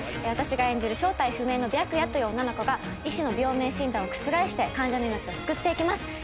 私が演じる正体不明の白夜という女の子が医師の病名診断を覆して患者の命を救っていきます。